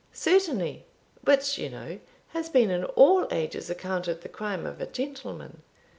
"Certainly which, you know, has been in all ages accounted the crime of a gentleman.